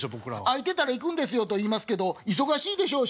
「『空いてたら行くんですよ』と言いますけど忙しいでしょうし」。